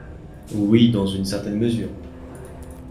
Oui, dans une certaine mesure.